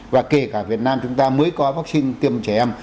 và kể cả việt nam chúng ta mới có vaccine tiêm trẻ em